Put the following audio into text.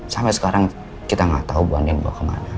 sampai sekarang kita gak tahu mbak andin dibawa kemana